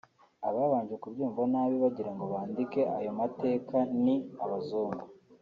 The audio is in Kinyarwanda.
Ababanje kubyumva nabi bagira ngo bandike ayo mateka ni Abazungu